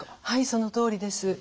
はいそのとおりです。